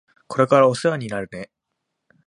これからお世話になるね。